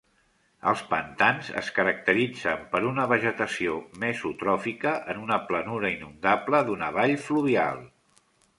Els pantans es caracteritzen per una vegetació mesotròfica en una planura inundable d'una vall fluvial.